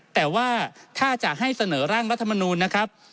แต่ว่าถ้าจะให้เสนอร่างรัฐมนูลนะครับ